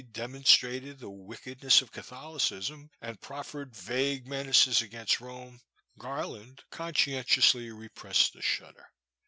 demonstrated the wickedness of Catholicism, and proffered vag^e menaces against Rome, Gar land conscientiously repressed a shudder.